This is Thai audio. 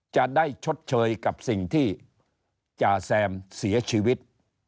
จะได้ชดเชยกับสิ่งที่จ่าแซมเสียชีวิต